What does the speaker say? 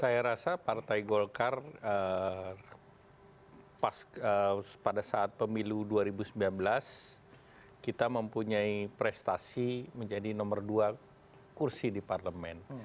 saya rasa partai golkar pada saat pemilu dua ribu sembilan belas kita mempunyai prestasi menjadi nomor dua kursi di parlemen